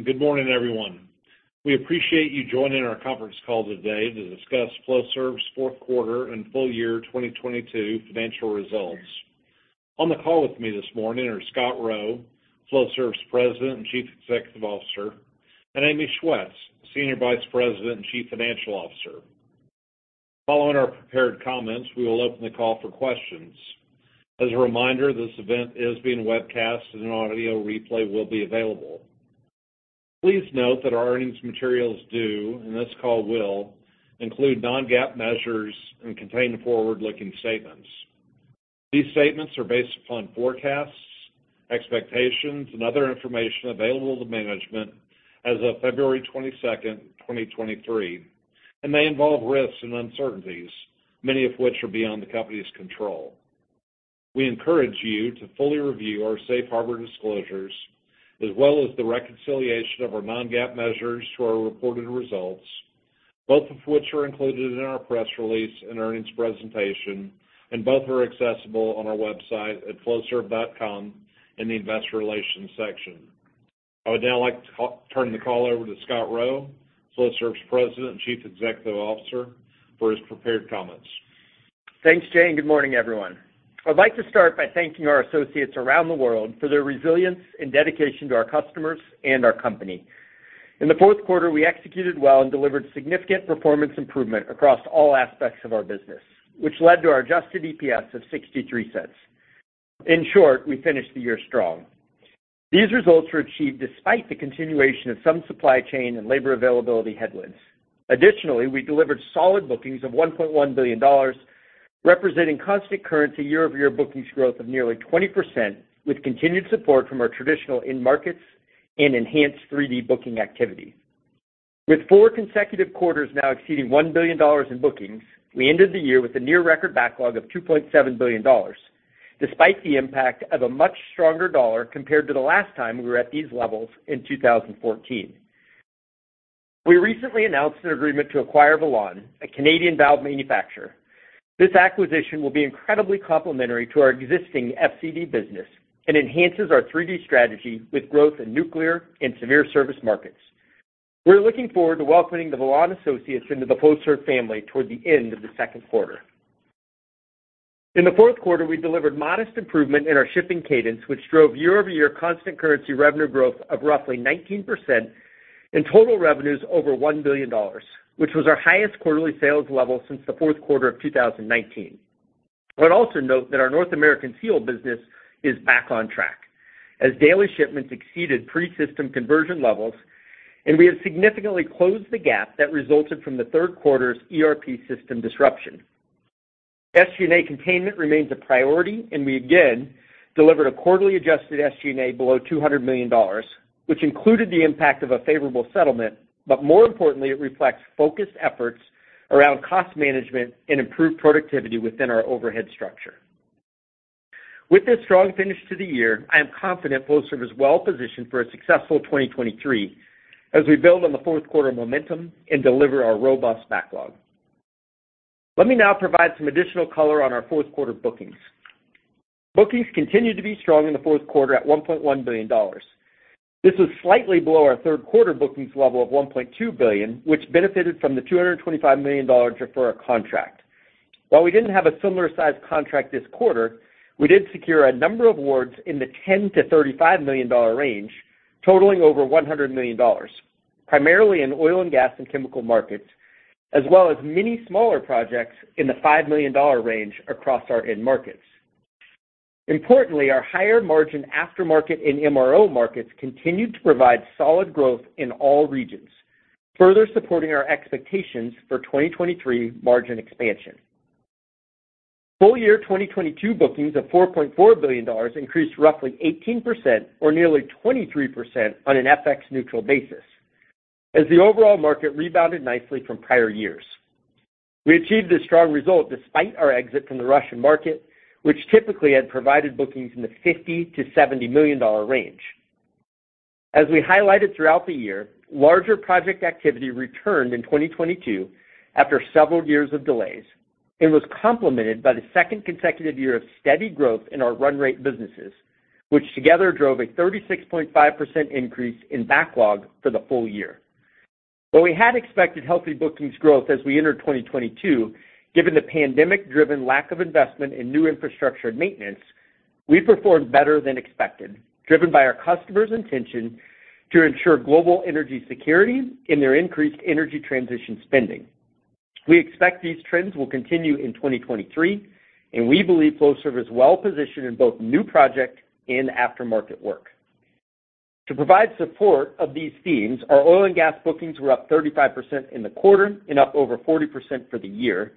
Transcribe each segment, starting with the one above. Good morning, everyone. We appreciate you joining our conference call today to discuss Flowserve's fourth quarter and full year 2022 financial results. On the call with me this morning are Scott Rowe, Flowserve's President and Chief Executive Officer, and Amy Schwetz, Senior Vice President and Chief Financial Officer. Following our prepared comments, we will open the call for questions. As a reminder, this event is being webcast and an audio replay will be available. Please note that our earnings materials do, and this call will, include non-GAAP measures and contain forward-looking statements. These statements are based upon forecasts, expectations, and other information available to management as of February 22nd, 2023, and may involve risks and uncertainties, many of which are beyond the company's control. We encourage you to fully review our safe harbor disclosures, as well as the reconciliation of our non-GAAP measures to our reported results, both of which are included in our press release and earnings presentation, and both are accessible on our website at flowserve.com in the Investor Relations section. I would now like to turn the call over to Scott Rowe, Flowserve's President and Chief Executive Officer, for his prepared comments. Thanks, Jay, and good morning, everyone. I'd like to start by thanking our associates around the world for their resilience and dedication to our customers and our company. In the fourth quarter, we executed well and delivered significant performance improvement across all aspects of our business, which led to our adjusted EPS of $0.63. In short, we finished the year strong. These results were achieved despite the continuation of some supply chain and labor availability headwinds. Additionally, we delivered solid bookings of $1.1 billion, representing constant currency year-over-year bookings growth of nearly 20% with continued support from our traditional end markets and enhanced 3D booking activity. With four consecutive quarters now exceeding $1 billion in bookings, we ended the year with a near record backlog of $2.7 billion, despite the impact of a much stronger dollar compared to the last time we were at these levels in 2014. We recently announced an agreement to acquire Velan, a Canadian valve manufacturer. This acquisition will be incredibly complementary to our existing FCD business and enhances our 3D strategy with growth in nuclear and severe service markets. We're looking forward to welcoming the Velan associates into the Flowserve family toward the end of the second quarter. In the fourth quarter, we delivered modest improvement in our shipping cadence, which drove year-over-year constant currency revenue growth of roughly 19% and total revenues over $1 billion, which was our highest quarterly sales level since the fourth quarter of 2019. I'd also note that our North American seal business is back on track as daily shipments exceeded pre-system conversion levels, and we have significantly closed the gap that resulted from the third quarter's ERP system disruption. SG&A containment remains a priority, and we again delivered a quarterly adjusted SG&A below $200 million, which included the impact of a favorable settlement. More importantly, it reflects focused efforts around cost management and improved productivity within our overhead structure. With this strong finish to the year, I am confident Flowserve is well-positioned for a successful 2023 as we build on the fourth quarter momentum and deliver our robust backlog. Let me now provide some additional color on our fourth quarter bookings. Bookings continued to be strong in the fourth quarter at $1.1 billion. This was slightly below our third quarter bookings level of $1.2 billion, which benefited from the $225 million Jafurah contract. While we didn't have a similar sized contract this quarter, we did secure a number of awards in the $10 million-$35 million range, totaling over $100 million, primarily in oil and gas and chemical markets, as well as many smaller projects in the $5 million range across our end markets. Importantly, our higher margin aftermarket and MRO markets continued to provide solid growth in all regions, further supporting our expectations for 2023 margin expansion. Full year 2022 bookings of $4.4 billion increased roughly 18% or nearly 23% on an FX neutral basis as the overall market rebounded nicely from prior years. We achieved a strong result despite our exit from the Russian market, which typically had provided bookings in the $50 million-$70 million range. As we highlighted throughout the year, larger project activity returned in 2022 after several years of delays and was complemented by the second consecutive year of steady growth in our run rate businesses, which together drove a 36.5% increase in backlog for the full year. While we had expected healthy bookings growth as we entered 2022, given the pandemic-driven lack of investment in new infrastructure and maintenance, we performed better than expected, driven by our customers' intention to ensure global energy security and their increased energy transition spending. We expect these trends will continue in 2023, and we believe Flowserve is well-positioned in both new projects and aftermarket work. To provide support of these themes, our oil and gas bookings were up 35% in the quarter and up over 40% for the year.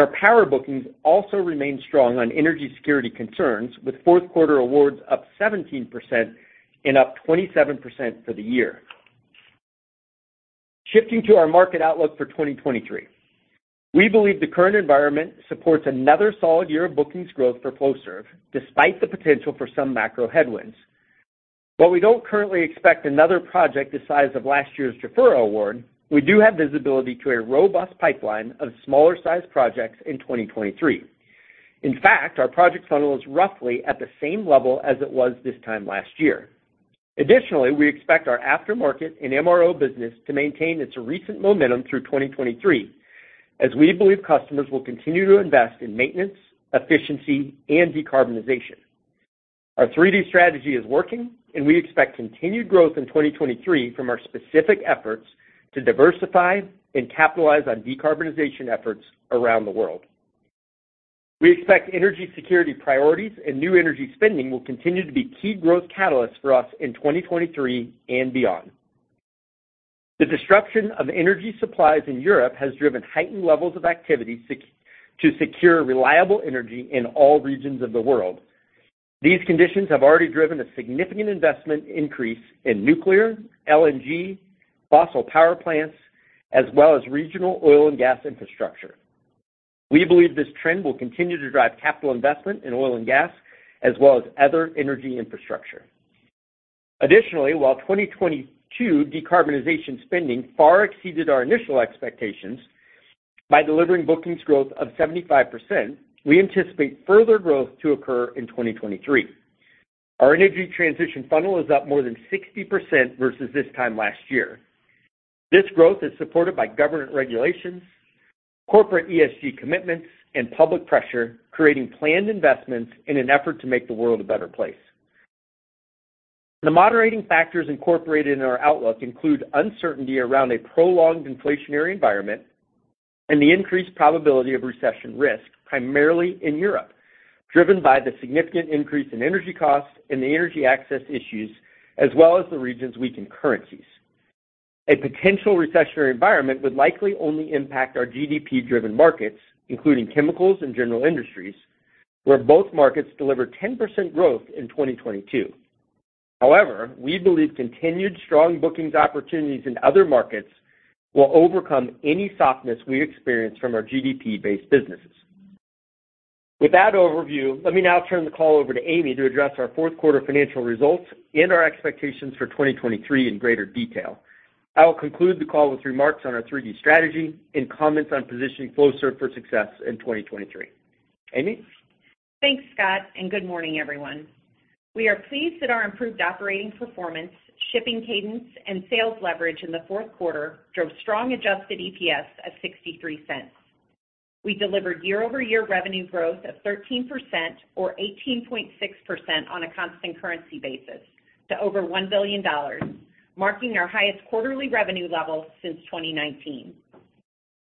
Our power bookings also remained strong on energy security concerns, with fourth quarter awards up 17% and up 27% for the year. Shifting to our market outlook for 2023. We believe the current environment supports another solid year of bookings growth for Flowserve, despite the potential for some macro headwinds. While we don't currently expect another project the size of last year's Jafurah award, we do have visibility to a robust pipeline of smaller sized projects in 2023. In fact, our project funnel is roughly at the same level as it was this time last year. Additionally, we expect our aftermarket and MRO business to maintain its recent momentum through 2023, as we believe customers will continue to invest in maintenance, efficiency, and decarbonization. Our 3D strategy is working, and we expect continued growth in 2023 from our specific efforts to diversify and capitalize on decarbonization efforts around the world. We expect energy security priorities and new energy spending will continue to be key growth catalysts for us in 2023 and beyond. The disruption of energy supplies in Europe has driven heightened levels of activity to secure reliable energy in all regions of the world. These conditions have already driven a significant investment increase in nuclear, LNG, fossil power plants, as well as regional oil and gas infrastructure. We believe this trend will continue to drive capital investment in oil and gas, as well as other energy infrastructure. Additionally, while 2022 decarbonization spending far exceeded our initial expectations by delivering bookings growth of 75%, we anticipate further growth to occur in 2023. Our energy transition funnel is up more than 60% versus this time last year. This growth is supported by government regulations, corporate ESG commitments, and public pressure, creating planned investments in an effort to make the world a better place. The moderating factors incorporated in our outlook include uncertainty around a prolonged inflationary environment and the increased probability of recession risk, primarily in Europe, driven by the significant increase in energy costs and the energy access issues as well as the region's weakened currencies. A potential recessionary environment would likely only impact our GDP-driven markets, including chemicals and general industries, where both markets delivered 10% growth in 2022. We believe continued strong bookings opportunities in other markets will overcome any softness we experience from our GDP-based businesses. Let me now turn the call over to Amy to address our fourth quarter financial results and our expectations for 2023 in greater detail. I will conclude the call with remarks on our 3D strategy and comments on positioning Flowserve for success in 2023. Amy? Thanks, Scott. Good morning, everyone. We are pleased that our improved operating performance, shipping cadence, and sales leverage in the fourth quarter drove strong adjusted EPS of $0.63. We delivered year-over-year revenue growth of 13% or 18.6% on a constant currency basis to over $1 billion, marking our highest quarterly revenue level since 2019.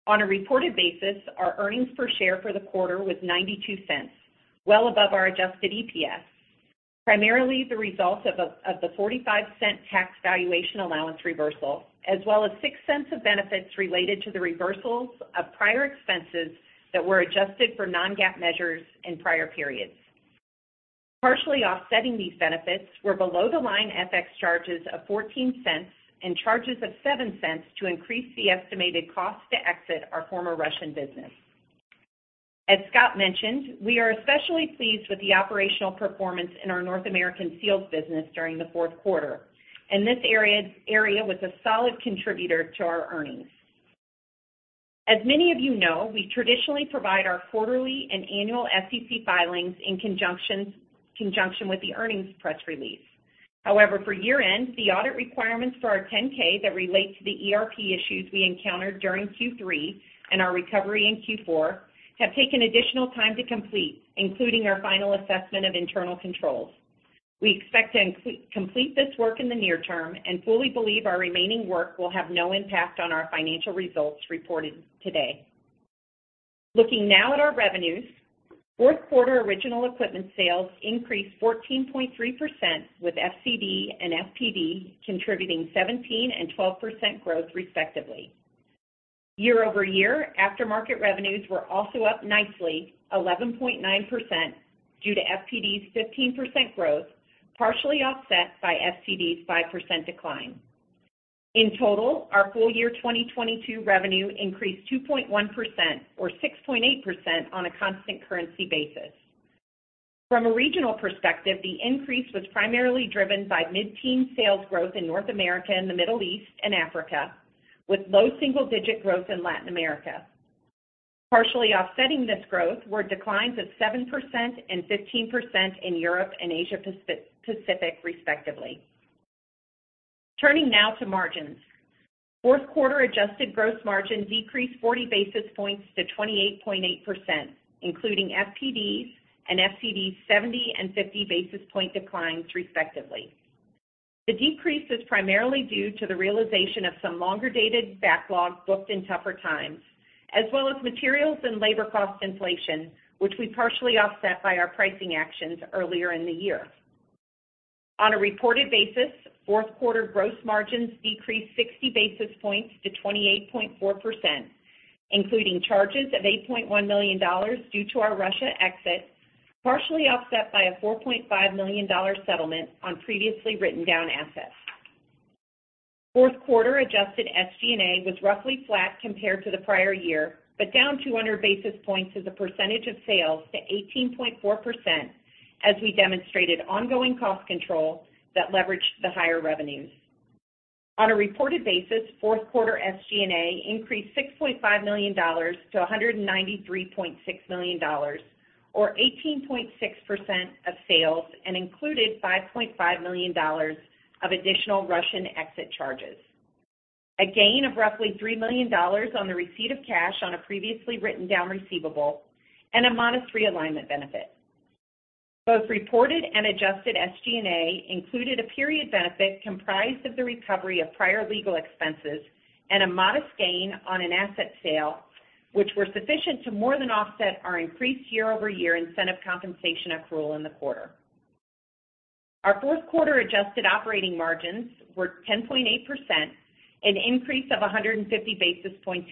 On a reported basis, our earnings per share for the quarter was $0.92, well above our adjusted EPS, primarily the result of the $0.45 tax valuation allowance reversal, as well as $0.06 of benefits related to the reversals of prior expenses that were adjusted for non-GAAP measures in prior periods. Partially offsetting these benefits were below-the-line FX charges of $0.14 and charges of $0.07 to increase the estimated cost to exit our former Russian business. As Scott mentioned, we are especially pleased with the operational performance in our North American seals business during the fourth quarter, this area was a solid contributor to our earnings. As many of you know, we traditionally provide our quarterly and annual SEC filings in conjunction with the earnings press release. However, for year-end, the audit requirements for our 10-K that relate to the ERP issues we encountered during Q3 and our recovery in Q4 have taken additional time to complete, including our final assessment of internal controls. We expect to complete this work in the near term and fully believe our remaining work will have no impact on our financial results reported today. Looking now at our revenues, fourth quarter original equipment sales increased 14.3% with FCD and FPD contributing 17% and 12% growth respectively. Year-over-year, aftermarket revenues were also up nicely 11.9% due to FPD's 15% growth, partially offset by FCD's 5% decline. In total, our full year 2022 revenue increased 2.1% or 6.8% on a constant currency basis. From a regional perspective, the increase was primarily driven by mid-teen sales growth in North America and the Middle East and Africa, with low single-digit growth in Latin America. Partially offsetting this growth were declines of 7% and 15% in Europe and Asia Pacific respectively. Turning now to margins. Fourth quarter adjusted gross margin decreased 40 basis points to 28.8%, including FPD's and FCD's 70 and 50 basis point declines respectively. The decrease is primarily due to the realization of some longer-dated backlog booked in tougher times, as well as materials and labor cost inflation, which we partially offset by our pricing actions earlier in the year. On a reported basis, fourth quarter gross margins decreased 60 basis points to 28.4%, including charges of $8.1 million due to our Russia exit, partially offset by a $4.5 million settlement on previously written-down assets. Fourth quarter adjusted SG&A was roughly flat compared to the prior year, down 200 basis points as a percentage of sales to 18.4% as we demonstrated ongoing cost control that leveraged the higher revenues. On a reported basis, fourth quarter SG&A increased $6.5 million-$193.6 million or 18.6% of sales, included $5.5 million of additional Russian exit charges. A gain of roughly $3 million on the receipt of cash on a previously written down receivable and a modest realignment benefit. Both reported and adjusted SG&A included a period benefit comprised of the recovery of prior legal expenses and a modest gain on an asset sale, which were sufficient to more than offset our increased year-over-year incentive compensation accrual in the quarter. Our fourth quarter adjusted operating margins were 10.8%, an increase of 150 basis points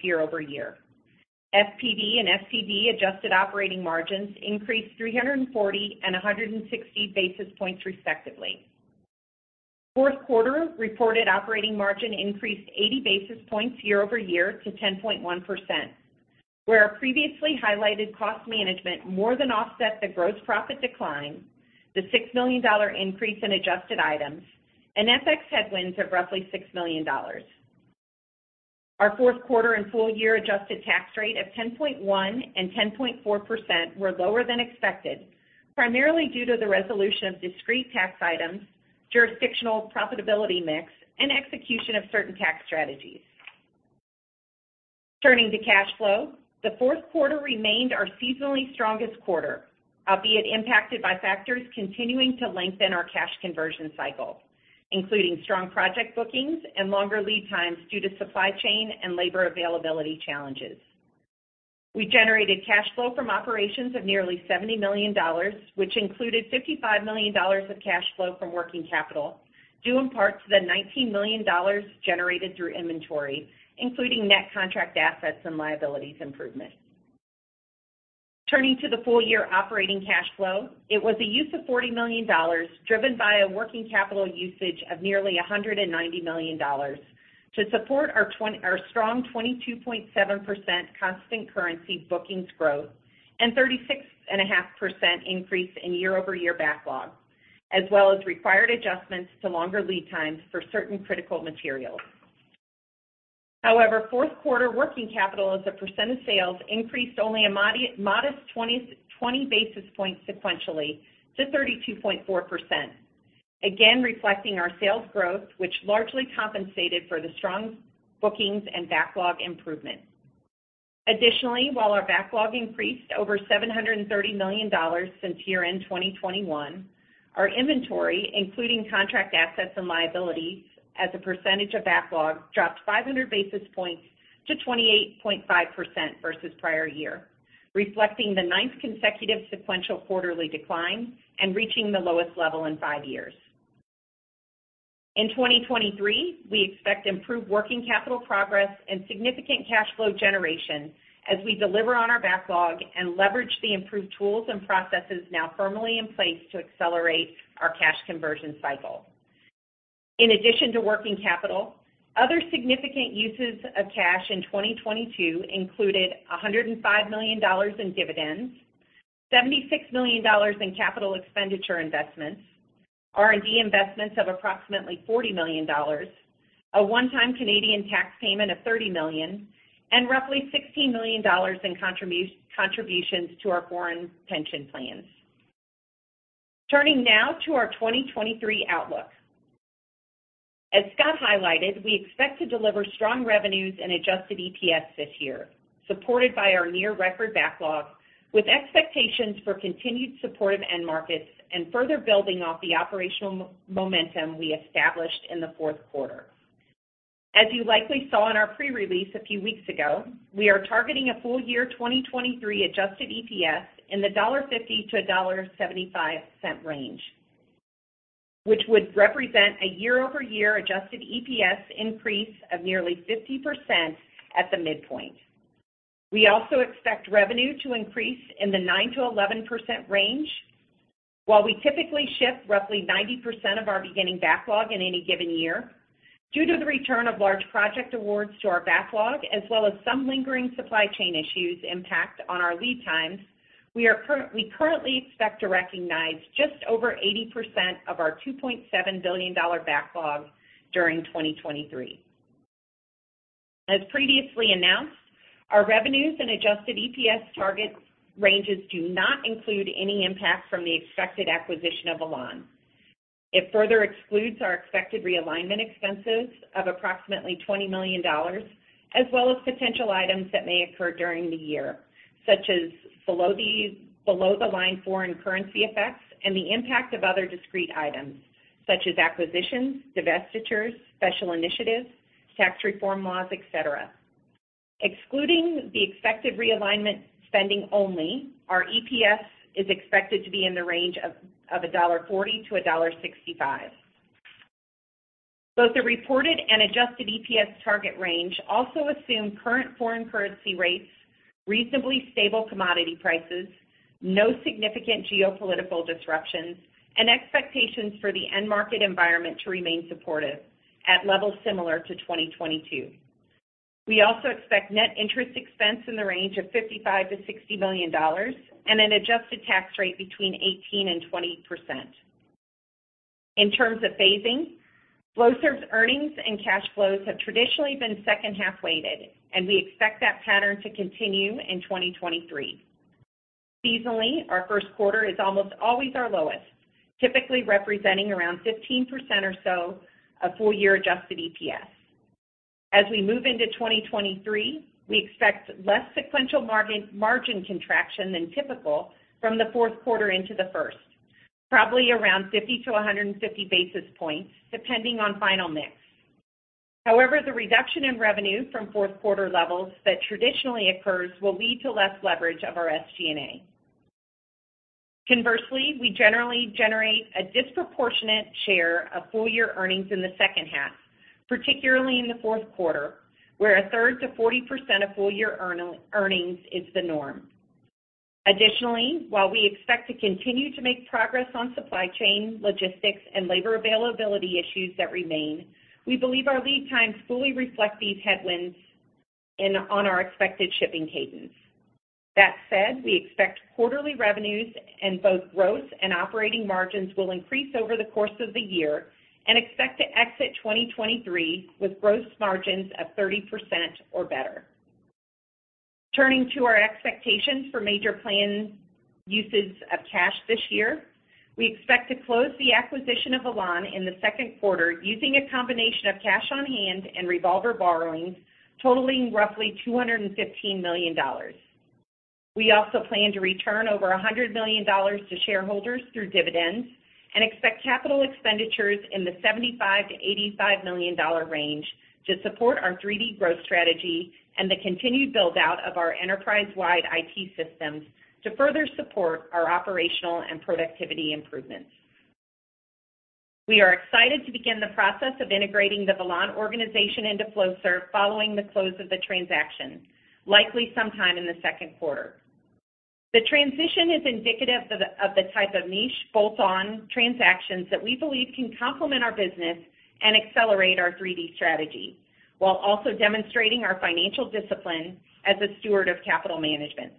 year-over-year. FPD and FCD adjusted operating margins increased 340 and 160 basis points, respectively. Fourth quarter reported operating margin increased 80 basis points year-over-year to 10.1%, where our previously highlighted cost management more than offset the gross profit decline, the $6 million increase in adjusted items, and FX headwinds of roughly $6 million. Our fourth quarter and full year adjusted tax rate of 10.1% and 10.4% were lower than expected, primarily due to the resolution of discrete tax items, jurisdictional profitability mix, and execution of certain tax strategies. Turning to cash flow, the fourth quarter remained our seasonally strongest quarter, albeit impacted by factors continuing to lengthen our cash conversion cycle, including strong project bookings and longer lead times due to supply chain and labor availability challenges. We generated cash flow from operations of nearly $70 million, which included $55 million of cash flow from working capital, due in part to the $19 million generated through inventory, including net contract assets and liabilities improvement. Turning to the full year operating cash flow, it was a use of $40 million, driven by a working capital usage of nearly $190 million to support our strong 22.7% constant currency bookings growth and 36.5% increase in year-over-year backlog, as well as required adjustments to longer lead times for certain critical materials. Fourth quarter working capital as a percent of sales increased only a modest 20 basis points sequentially to 32.4%. Again, reflecting our sales growth, which largely compensated for the strong bookings and backlog improvements. Additionally, while our backlog increased over $730 million since year-end 2021, our inventory, including contract assets and liabilities as a percentage of backlog, dropped 500 basis points to 28.5% versus prior year, reflecting the ninth consecutive sequential quarterly decline and reaching the lowest level in five years. In 2023, we expect improved working capital progress and significant cash flow generation as we deliver on our backlog and leverage the improved tools and processes now firmly in place to accelerate our cash conversion cycle. In addition to working capital, other significant uses of cash in 2022 included $105 million in dividends, $76 million in capital expenditure investments, R&D investments of approximately $40 million, a one-time Canadian tax payment of $30 million, and roughly $16 million in contributions to our foreign pension plans. Turning now to our 2023 outlook. As Scott highlighted, we expect to deliver strong revenues and adjusted EPS this year, supported by our near record backlog, with expectations for continued supportive end markets and further building off the operational momentum we established in the fourth quarter. As you likely saw in our pre-release a few weeks ago, we are targeting a full year 2023 adjusted EPS in the $1.50-$1.75 range, which would represent a year-over-year adjusted EPS increase of nearly 50% at the midpoint. We also expect revenue to increase in the 9%-11% range. We typically ship roughly 90% of our beginning backlog in any given year, due to the return of large project awards to our backlog, as well as some lingering supply chain issues impact on our lead times, we currently expect to recognize just over 80% of our $2.7 billion backlog during 2023. As previously announced, our revenues and adjusted EPS target ranges do not include any impact from the expected acquisition of Velan. It further excludes our expected realignment expenses of approximately $20 million, as well as potential items that may occur during the year, such as below the line foreign currency effects and the impact of other discrete items, such as acquisitions, divestitures, special initiatives, tax reform laws, et cetera. Excluding the expected realignment spending only, our EPS is expected to be in the range of $1.40-$1.65. Both the reported and adjusted EPS target range also assume current foreign currency rates, reasonably stable commodity prices, no significant geopolitical disruptions, and expectations for the end market environment to remain supportive at levels similar to 2022. We also expect net interest expense in the range of $55 million-$60 million and an adjusted tax rate between 18% and 20%. In terms of phasing, Flowserve's earnings and cash flows have traditionally been second-half weighted, and we expect that pattern to continue in 2023. Seasonally, our first quarter is almost always our lowest, typically representing around 15% or so of full year adjusted EPS. As we move into 2023, we expect less sequential margin contraction than typical from the fourth quarter into the first, probably around 50-150 basis points, depending on final mix. However, the reduction in revenue from fourth-quarter levels that traditionally occurs will lead to less leverage of our SG&A. Conversely, we generally generate a disproportionate share of full-year earnings in the second half, particularly in the fourth quarter, where 1/3 to 40% of full-year earnings is the norm. Additionally, while we expect to continue to make progress on supply chain, logistics, and labor availability issues that remain, we believe our lead times fully reflect these headwinds in, on our expected shipping cadence. That said, we expect quarterly revenues and both gross and operating margins will increase over the course of the year and expect to exit 2023 with gross margins of 30% or better. Turning to our expectations for major planned uses of cash this year, we expect to close the acquisition of Velan in the second quarter using a combination of cash on hand and revolver borrowings totaling roughly $215 million. We also plan to return over $100 million to shareholders through dividends and expect capital expenditures in the $75 million-$85 million range to support our 3D growth strategy and the continued build-out of our enterprise-wide IT systems to further support our operational and productivity improvements. We are excited to begin the process of integrating the Velan organization into Flowserve following the close of the transaction, likely sometime in the second quarter. The transition is indicative of the type of niche bolt-on transactions that we believe can complement our business and accelerate our 3D strategy, while also demonstrating our financial discipline as a steward of capital management.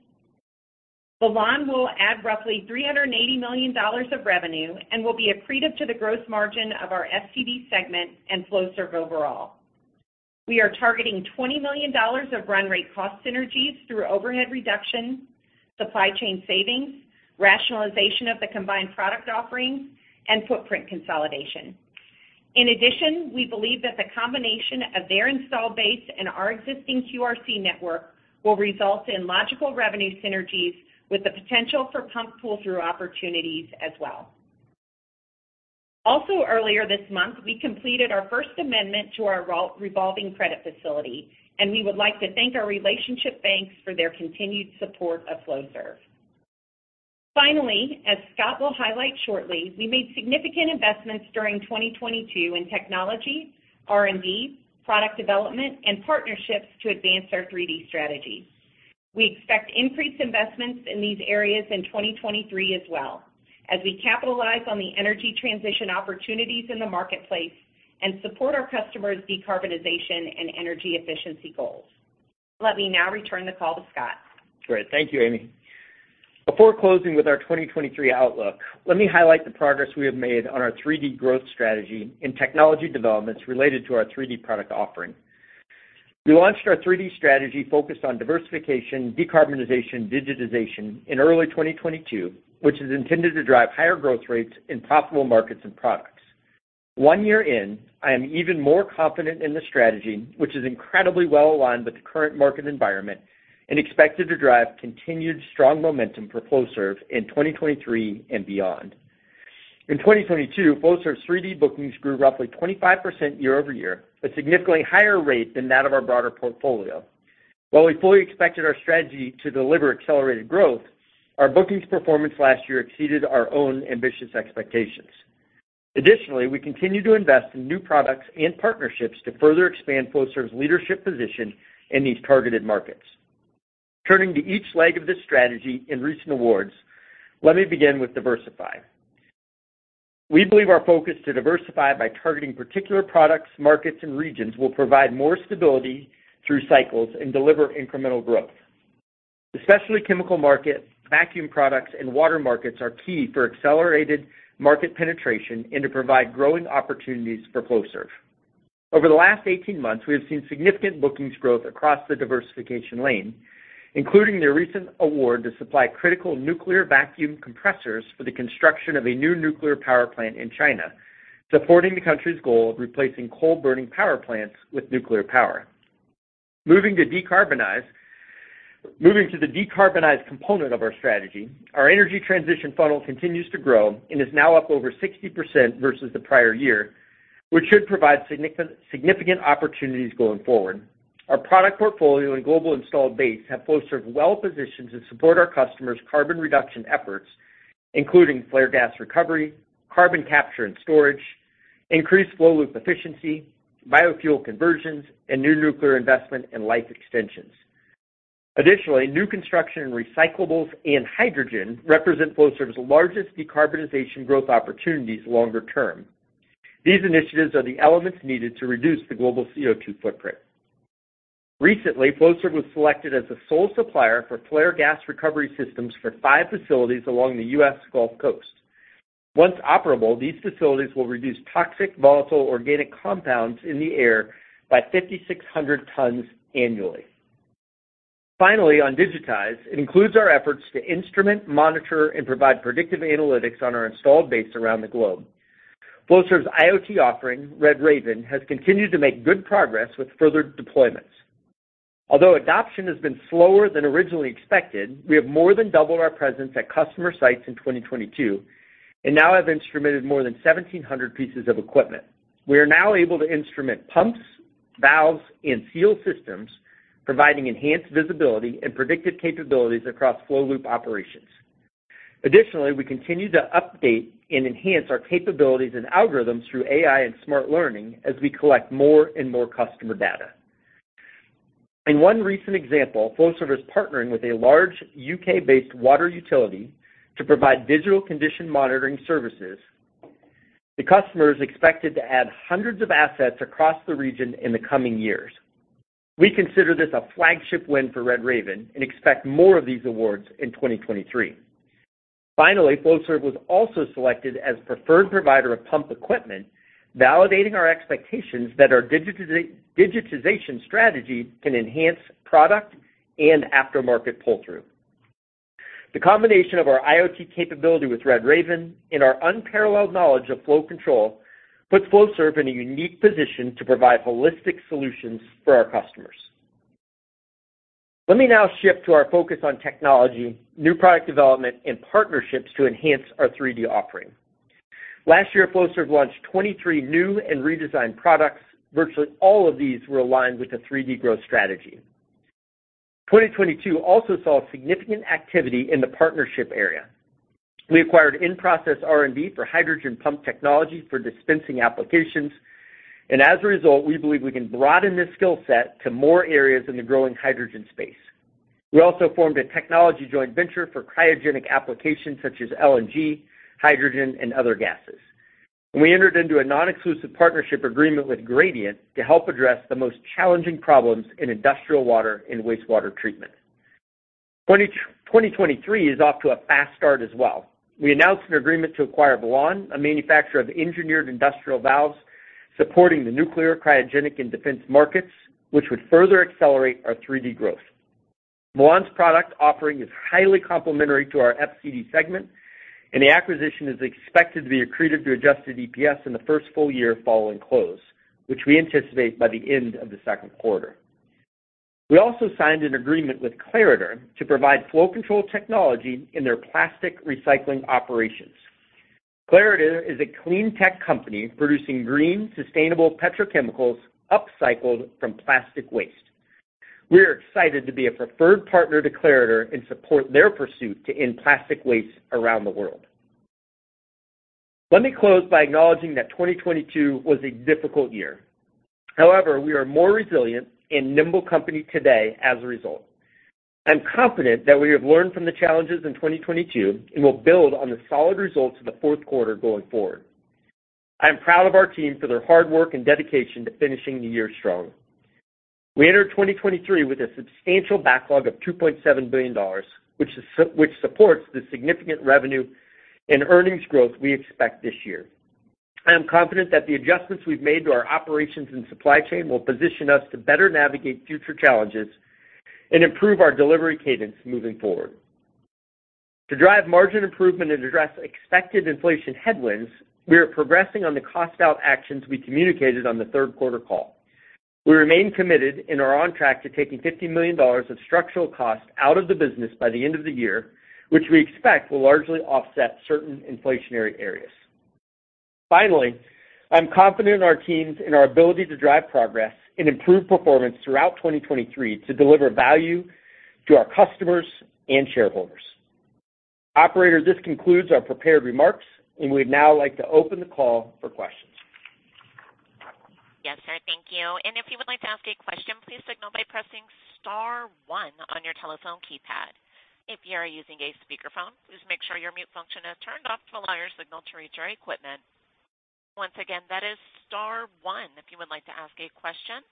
Velan will add roughly $380 million of revenue and will be accretive to the gross margin of our FCD segment and Flowserve overall. We are targeting $20 million of run rate cost synergies through overhead reduction, supply chain savings, rationalization of the combined product offerings, and footprint consolidation. In addition, we believe that the combination of their install base and our existing QRC network will result in logical revenue synergies with the potential for pump pull-through opportunities as well. Earlier this month, we completed our first amendment to our revolving credit facility, and we would like to thank our relationship banks for their continued support of Flowserve. As Scott will highlight shortly, we made significant investments during 2022 in technology, R&D, product development, and partnerships to advance our 3D strategy. We expect increased investments in these areas in 2023 as well as we capitalize on the energy transition opportunities in the marketplace and support our customers' decarbonization and energy efficiency goals. Let me now return the call to Scott. Great. Thank you, Amy. Before closing with our 2023 outlook, let me highlight the progress we have made on our 3D growth strategy in technology developments related to our 3D product offering. We launched our 3D strategy focused on diversification, decarbonization, digitization in early 2022, which is intended to drive higher growth rates in profitable markets and products. One year in, I am even more confident in the strategy, which is incredibly well aligned with the current market environment and expected to drive continued strong momentum for Flowserve in 2023 and beyond. In 2022, Flowserve's 3D bookings grew roughly 25% year-over-year, a significantly higher rate than that of our broader portfolio. We fully expected our strategy to deliver accelerated growth, our bookings performance last year exceeded our own ambitious expectations. Additionally, we continue to invest in new products and partnerships to further expand Flowserve's leadership position in these targeted markets. Turning to each leg of this strategy in recent awards, let me begin with diversify. We believe our focus to diversify by targeting particular products, markets, and regions will provide more stability through cycles and deliver incremental growth. Especially chemical markets, vacuum products, and water markets are key for accelerated market penetration and to provide growing opportunities for Flowserve. Over the last 18 months, we have seen significant bookings growth across the diversification lane, including the recent award to supply critical nuclear vacuum compressors for the construction of a new nuclear power plant in China, supporting the country's goal of replacing coal-burning power plants with nuclear power. Moving to the decarbonize component of our strategy, our energy transition funnel continues to grow and is now up over 60% versus the prior year, which should provide significant opportunities going forward. Our product portfolio and global installed base have Flowserve well-positioned to support our customers' carbon reduction efforts, including flare gas recovery, carbon capture and storage, increased flow loop efficiency, biofuel conversions, and new nuclear investment and life extensions. Additionally, new construction in recyclables and hydrogen represent Flowserve's largest decarbonization growth opportunities longer term. These initiatives are the elements needed to reduce the global CO₂ footprint. Recently, Flowserve was selected as the sole supplier for flare gas recovery systems for five facilities along the U.S. Gulf Coast. Once operable, these facilities will reduce toxic volatile organic compounds in the air by 5,600 tons annually. On digitize, it includes our efforts to instrument, monitor, and provide predictive analytics on our installed base around the globe. Flowserve's IoT offering, RedRaven, has continued to make good progress with further deployments. Adoption has been slower than originally expected, we have more than doubled our presence at customer sites in 2022, and now have instrumented more than 1,700 pieces of equipment. We are now able to instrument pumps, valves, and seal systems, providing enhanced visibility and predictive capabilities across flow loop operations. We continue to update and enhance our capabilities and algorithms through AI and smart learning as we collect more and more customer data. In one recent example, Flowserve is partnering with a large U.K.-based water utility to provide digital condition monitoring services. The customer is expected to add hundreds of assets across the region in the coming years. We consider this a flagship win for RedRaven and expect more of these awards in 2023. Flowserve was also selected as preferred provider of pump equipment, validating our expectations that our digitization strategy can enhance product and aftermarket pull-through. The combination of our IoT capability with RedRaven and our unparalleled knowledge of flow control puts Flowserve in a unique position to provide holistic solutions for our customers. Let me now shift to our focus on technology, new product development, and partnerships to enhance our 3D offering. Last year, Flowserve launched 23 new and redesigned products. Virtually all of these were aligned with the 3D growth strategy. 2022 also saw significant activity in the partnership area. We acquired in-process R&D for hydrogen pump technology for dispensing applications. As a result, we believe we can broaden this skill set to more areas in the growing hydrogen space. We also formed a technology joint venture for cryogenic applications such as LNG, hydrogen, and other gases. We entered into a non-exclusive partnership agreement with Gradiant to help address the most challenging problems in industrial water and wastewater treatment. 2023 is off to a fast start as well. We announced an agreement to acquire Velan, a manufacturer of engineered industrial valves supporting the nuclear, cryogenic, and defense markets, which would further accelerate our 3D growth. Velan's product offering is highly complementary to our FCD segment, and the acquisition is expected to be accretive to adjusted EPS in the first full year following close, which we anticipate by the end of the second quarter. We also signed an agreement with Clariter to provide flow control technology in their plastic recycling operations. Clariter is a clean tech company producing green, sustainable petrochemicals upcycled from plastic waste. We're excited to be a preferred partner to Clariter and support their pursuit to end plastic waste around the world. Let me close by acknowledging that 2022 was a difficult year. We are more resilient and nimble company today as a result. I'm confident that we have learned from the challenges in 2022 and will build on the solid results of the fourth quarter going forward. I am proud of our team for their hard work and dedication to finishing the year strong. We enter 2023 with a substantial backlog of $2.7 billion, which supports the significant revenue and earnings growth we expect this year. I am confident that the adjustments we've made to our operations and supply chain will position us to better navigate future challenges and improve our delivery cadence moving forward. To drive margin improvement and address expected inflation headwinds, we are progressing on the cost out actions we communicated on the third quarter call. We remain committed and are on track to taking $50 million of structural cost out of the business by the end of the year, which we expect will largely offset certain inflationary areas. Finally, I'm confident in our teams and our ability to drive progress and improve performance throughout 2023 to deliver value to our customers and shareholders. Operator, this concludes our prepared remarks, and we'd now like to open the call for questions. Yes, sir. Thank you. If you would like to ask a question, please signal by pressing star one on your telephone keypad. If you are using a speakerphone, please make sure your mute function is turned off to allow your signal to reach our equipment. Once again, that is star one if you would like to ask a question.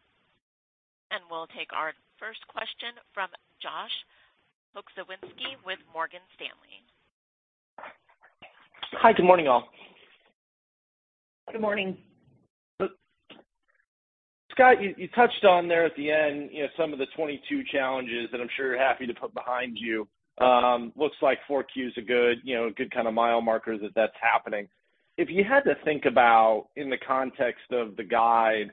We'll take our first question from Josh Pokrzywinski with Morgan Stanley. Hi, good morning, all. Good morning. Scott, you touched on there at the end, you know, some of the 2022 challenges that I'm sure you're happy to put behind you. Looks like 4Q is a good, you know, a good kind of mile marker that that's happening. If you had to think about, in the context of the guide,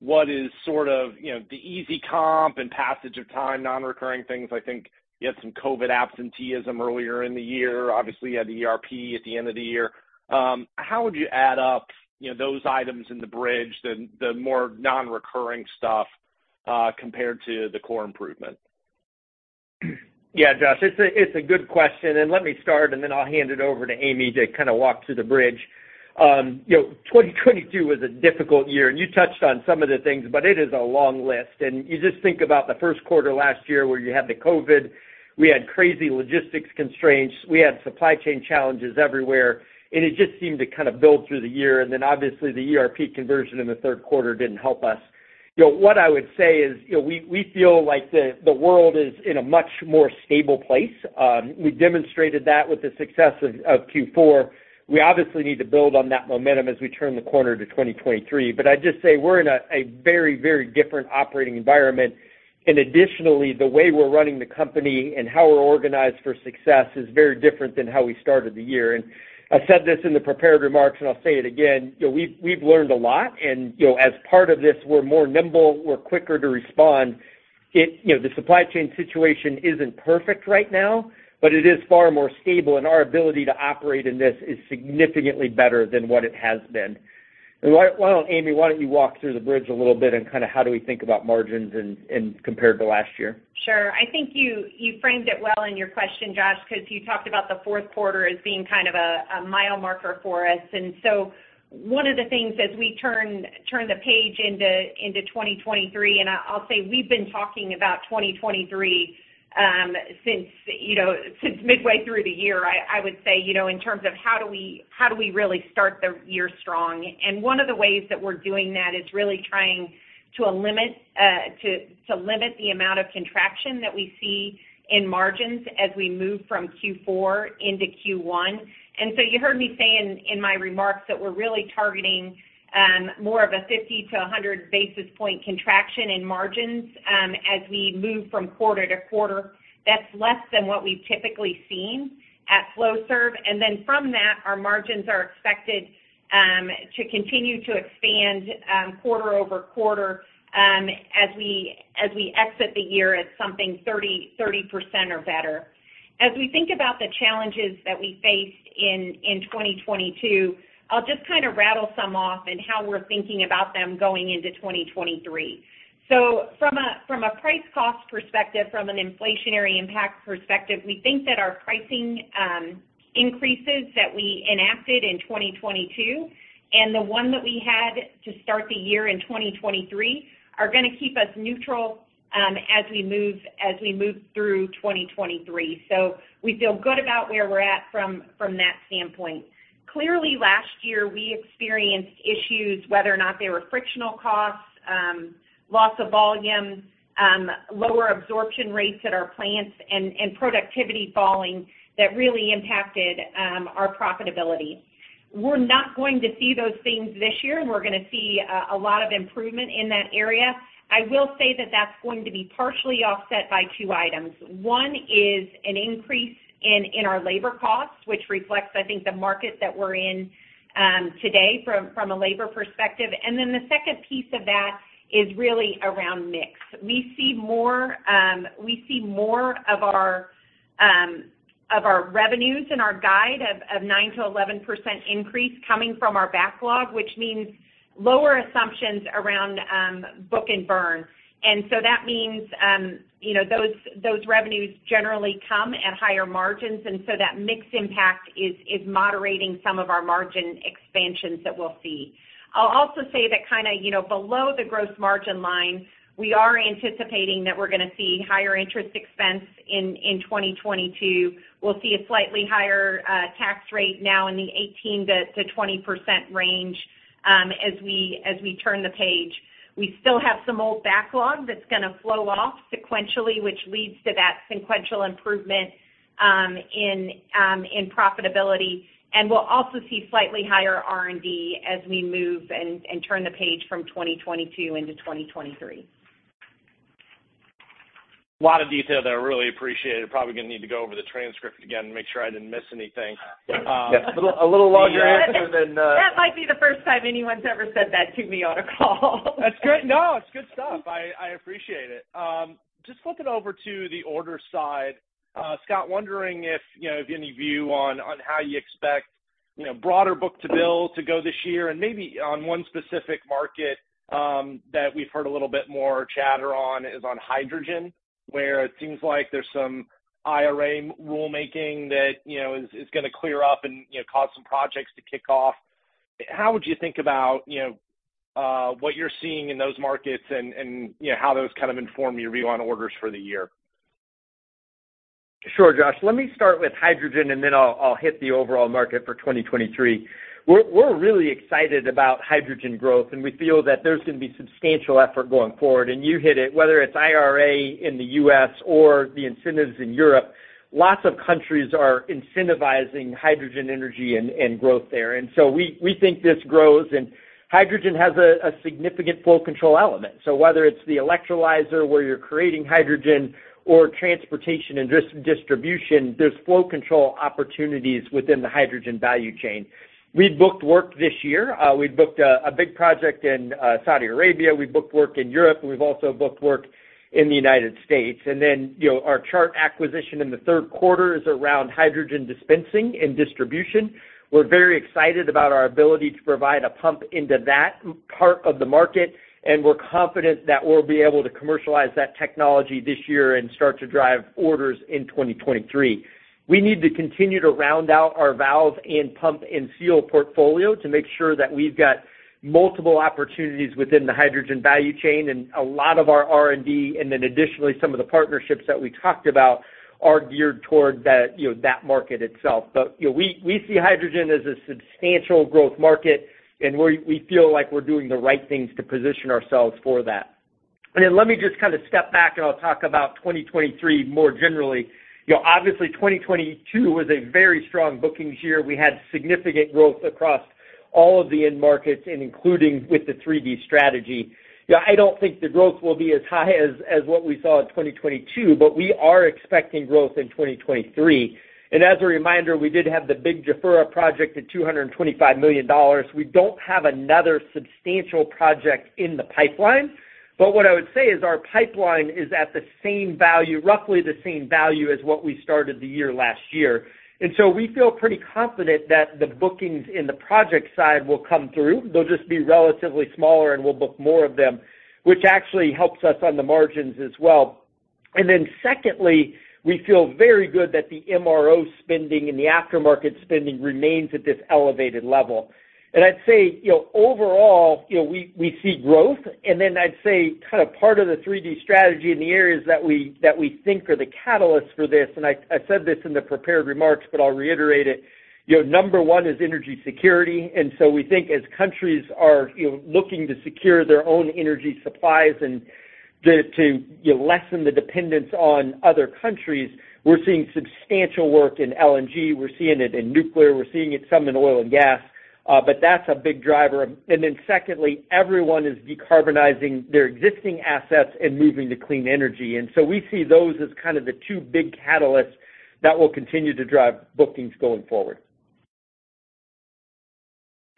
what is sort of, you know, the easy comp and passage of time, non-recurring things, I think you had some COVID absenteeism earlier in the year. Obviously, you had the ERP at the end of the year. How would you add up, you know, those items in the bridge, the more non-recurring stuff, compared to the core improvement? Yeah, Josh, it's a good question. Let me start, and then I'll hand it over to Amy to kind of walk through the bridge. You know, 2022 was a difficult year, and you touched on some of the things, but it is a long list. You just think about the first quarter last year where you had the COVID, we had crazy logistics constraints, we had supply chain challenges everywhere, and it just seemed to kind of build through the year. Obviously, the ERP conversion in the third quarter didn't help us. You know, what I would say is, you know, we feel like the world is in a much more stable place. We demonstrated that with the success of Q4. We obviously need to build on that momentum as we turn the corner to 2023. I'd just say we're in a very, very different operating environment. Additionally, the way we're running the company and how we're organized for success is very different than how we started the year. I said this in the prepared remarks, and I'll say it again, you know, we've learned a lot. You know, as part of this, we're more nimble, we're quicker to respond. You know, the supply chain situation isn't perfect right now, but it is far more stable, and our ability to operate in this is significantly better than what it has been. Why don't, Amy, you walk through the bridge a little bit on kind of how do we think about margins and compared to last year? Sure. I think you framed it well in your question, Josh, 'cause you talked about the fourth quarter as being kind of a mile marker for us. One of the things as we turn the page into 2023, and I'll say we've been talking about 2023, since, you know, since midway through the year, I would say, you know, in terms of how do we really start the year strong. One of the ways that we're doing that is really trying to limit the amount of contraction that we see in margins as we move from Q4 into Q1. You heard me say in my remarks that we're really targeting more of a 50-100 basis point contraction in margins as we move from quarter-to-quarter. That's less than what we've typically seen at Flowserve. From that, our margins are expected to continue to expand quarter-over-quarter as we exit the year at something 30% or better. As we think about the challenges that we faced in 2022, I'll just kind of rattle some off and how we're thinking about them going into 2023. From a price cost perspective, from an inflationary impact perspective, we think that our pricing, increases that we enacted in 2022 and the one that we had to start the year in 2023 are gonna keep us neutral, as we move through 2023. We feel good about where we're at from that standpoint. Clearly, last year, we experienced issues, whether or not they were frictional costs, loss of volume, lower absorption rates at our plants and productivity falling that really impacted, our profitability. We're not going to see those things this year, and we're gonna see a lot of improvement in that area. I will say that that's going to be partially offset by two items. One is an increase in our labor costs, which reflects, I think, the market that we're in today from a labor perspective. The second piece of that is really around mix. We see more, we see more of our, of our revenues in our guide of 9%-11% increase coming from our backlog, which means lower assumptions around book and burn. That means, you know, those revenues generally come at higher margins, and so that mix impact is moderating some of our margin expansions that we'll see. I'll also say that, you know, below the gross margin line, we are anticipating that we're gonna see higher interest expense in 2022. We'll see a slightly higher tax rate now in the 18%-20% range, as we turn the page. We still have some old backlog that's gonna flow off sequentially, which leads to that sequential improvement, in profitability. We'll also see slightly higher R&D as we move and turn the page from 2022 into 2023. A lot of detail there. I really appreciate it. Probably gonna need to go over the transcript again and make sure I didn't miss anything. A little longer answer than. That might be the first time anyone's ever said that to me on a call. That's great. No, it's good stuff. I appreciate it. Just flipping over to the order side, Scott, wondering if, you know, if you have any view on how you expect, you know, broader book-to-bill to go this year? Maybe on one specific market that we've heard a little bit more chatter on is on hydrogen, where it seems like there's some IRA rulemaking that, you know, is gonna clear up and, you know, cause some projects to kick off. How would you think about, you know, what you're seeing in those markets and, you know, how those kind of inform your view on orders for the year? Sure, Josh. Let me start with hydrogen, and then I'll hit the overall market for 2023. We're really excited about hydrogen growth, and we feel that there's gonna be substantial effort going forward. You hit it, whether it's IRA in the U.S. or the incentives in Europe, lots of countries are incentivizing hydrogen energy and growth there. We think this grows. Hydrogen has a significant flow control element. Whether it's the electrolyzer where you're creating hydrogen or transportation and distribution, there's flow control opportunities within the hydrogen value chain. We booked work this year. We booked a big project in Saudi Arabia. We booked work in Europe, and we've also booked work in the United States. You know, our Chart acquisition in the third quarter is around hydrogen dispensing and distribution. We're very excited about our ability to provide a pump into that part of the market, and we're confident that we'll be able to commercialize that technology this year and start to drive orders in 2023. We need to continue to round out our valve and pump and seal portfolio to make sure that we've got multiple opportunities within the hydrogen value chain, and a lot of our R&D, and then additionally, some of the partnerships that we talked about are geared toward that, you know, that market itself. You know, we see hydrogen as a substantial growth market, and we feel like we're doing the right things to position ourselves for that. Let me just kind of step back, and I'll talk about 2023 more generally. You know, obviously, 2022 was a very strong bookings year. We had significant growth across all of the end markets and including with the 3D strategy. Yeah, I don't think the growth will be as high as what we saw in 2022, but we are expecting growth in 2023. As a reminder, we did have the big Jafurah project at $225 million. We don't have another substantial project in the pipeline. What I would say is our pipeline is at the same value, roughly the same value as what we started the year last year. We feel pretty confident that the bookings in the project side will come through. They'll just be relatively smaller, and we'll book more of them, which actually helps us on the margins as well. Secondly, we feel very good that the MRO spending and the aftermarket spending remains at this elevated level. I'd say, you know, overall, you know, we see growth. I'd say kind of part of the 3D strategy in the areas that we think are the catalysts for this, and I said this in the prepared remarks, but I'll reiterate it. You know, number one is energy security. We think as countries are, you know, looking to secure their own energy supplies and to, you know, lessen the dependence on other countries, we're seeing substantial work in LNG. We're seeing it in nuclear. We're seeing it some in oil and gas, but that's a big driver. Secondly, everyone is decarbonizing their existing assets and moving to clean energy. We see those as kind of the two big catalysts that will continue to drive bookings going forward.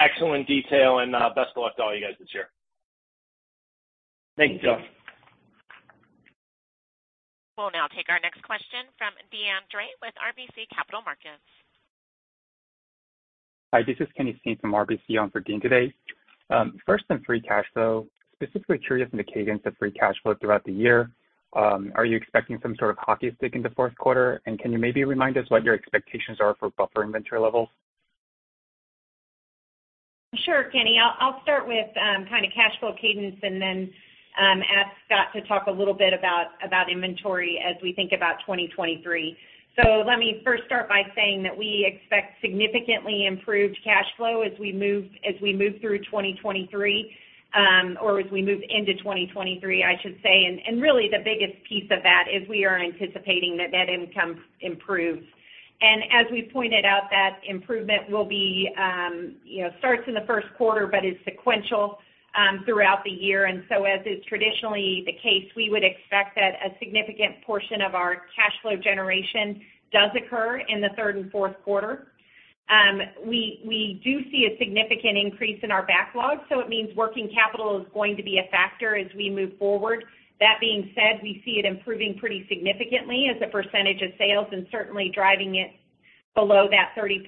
Excellent detail, and, best of luck to all you guys this year. Thank you, Josh. We'll now take our next question from Deane Dray with RBC Capital Markets. Hi, this is Kenny Sim from RBC on for Deane today. First on free cash flow, specifically curious in the cadence of free cash flow throughout the year. Are you expecting some sort of hockey stick in the fourth quarter? Can you maybe remind us what your expectations are for buffer inventory levels? Sure, Kenny. I'll start with kind of cash flow cadence then ask Scott to talk a little bit about inventory as we think about 2023. Let me first start by saying that we expect significantly improved cash flow as we move through 2023 or as we move into 2023, I should say. Really the biggest piece of that is we are anticipating net income improves. As we pointed out, that improvement will be, you know, starts in the first quarter but is sequential throughout the year. As is traditionally the case, we would expect that a significant portion of our cash flow generation does occur in the third and fourth quarter. We do see a significant increase in our backlog. It means working capital is going to be a factor as we move forward. That being said, we see it improving pretty significantly as a percentage of sales and certainly driving it below that 30%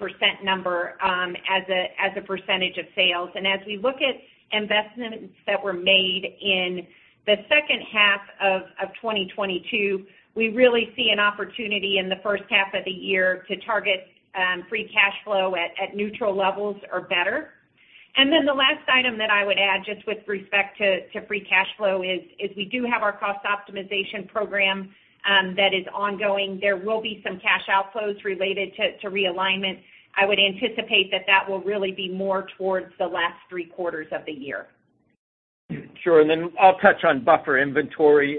number as a percentage of sales. As we look at investments that were made in the second half of 2022, we really see an opportunity in the first half of the year to target free cash flow at neutral levels or better. Then the last item that I would add just with respect to free cash flow is we do have our cost optimization program that is ongoing. There will be some cash outflows related to realignment. I would anticipate that that will really be more towards the last three quarters of the year. Sure. Then I'll touch on buffer inventory.